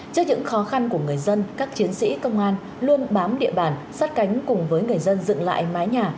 trước những khó khăn của người dân các chiến sĩ công an luôn bám địa bàn sát cánh cùng với người dân dựng lại mái nhà